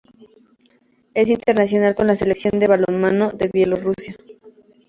Es internacional con la Selección de balonmano de Bielorrusia.